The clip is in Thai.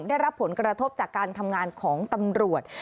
ได้รับผลกระทบจากการทำงานของตำรวจ